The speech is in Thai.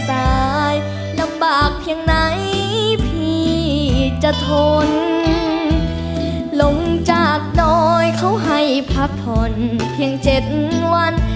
ตายลำบากเพียงไหนพี่จะทนลงจากดอยเขาให้พักผ่อนเพียง๗วัน